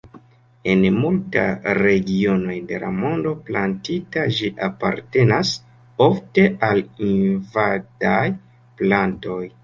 En multaj regionoj de la mondo plantita ĝi apartenas ofte al invadaj plantoj.